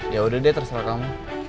yaudah deh terserah kamu